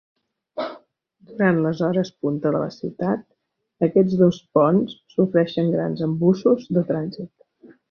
Durant les hores punta de la ciutat, aquests dos ponts sofreixen grans embussos de trànsit.